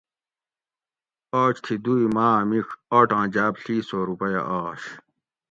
آج تھی دُوئی ماۤ مِڄ آٹاں جاۤب ڷی سو رُوپیہ آش